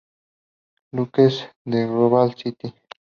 Luke's de Global City.